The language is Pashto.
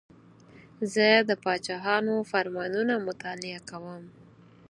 زه د پاچاهانو فرمانونه مطالعه کوم.